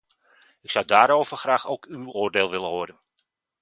Ik zou daarover graag ook uw oordeel willen horen.